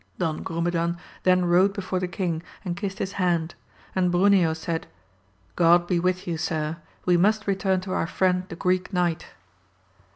Don Grumedan then rode before the king, and kissed his hand : and Bruneo said, God be with you sir, we must return to our friend the Greek Knight.